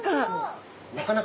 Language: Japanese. なかなか。